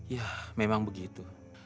ya memang begitu